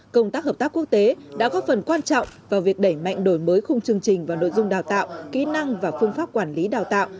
công tác hợp tác quốc tế đã góp phần quan trọng vào việc đẩy mạnh đổi mới khung chương trình và nội dung đào tạo kỹ năng và phương pháp quản lý đào tạo